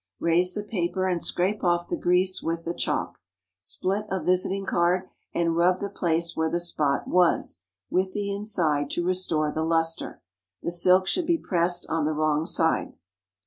Raise the paper and scrape off the grease with the chalk. Split a visiting card, and rub the place where the spot was, with the inside, to restore the lustre. The silk should be pressed on the wrong side.